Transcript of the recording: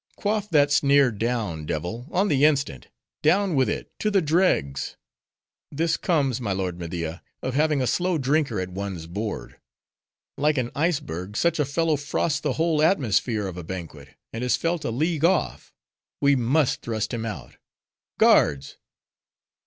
"Quaff that sneer down, devil! on the instant! down with it, to the dregs! This comes, my lord Media, of having a slow drinker at one's board. Like an iceberg, such a fellow frosts the whole atmosphere of a banquet, and is felt a league off We must thrust him out. Guards!"